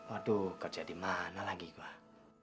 aduh kerja di mana lagi gue